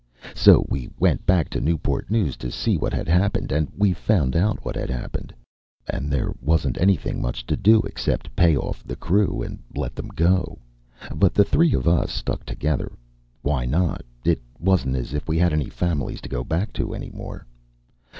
So we went back to Newport News to see what had happened. And we found out what had happened. And there wasn't anything much to do except pay off the crew and let them go. But us three stuck together. Why not? It wasn't as if we had any families to go back to any more.